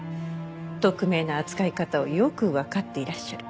特命の扱い方をよくわかっていらっしゃる。